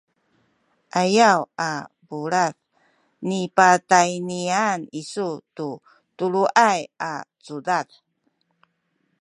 ayaw a bulad nipatayniyan isu tu tuluway cudad